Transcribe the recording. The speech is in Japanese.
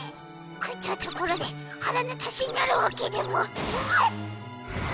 食ったところで腹の足しになるわけでもフガッ！